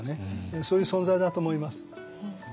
そういう存在だと思います。